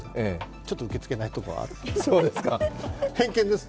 ちょっと受け付けないところがあるんです。